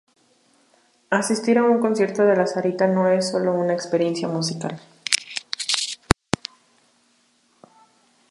Asistir a un concierto de La Sarita no es solo una experiencia musical.